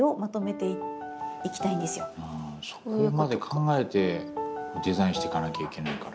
そこまで考えてデザインしてかなきゃいけないから。